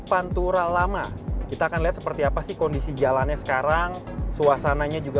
pantura lama kita akan lihat seperti apa sih kondisi jalannya sekarang suasananya juga